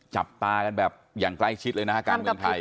จับตากันแบบอย่างใกล้ชิดเลยนะฮะการเมืองไทย